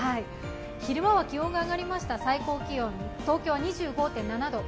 昼間は気温が上がりました、最高気温、東京は２５．７度。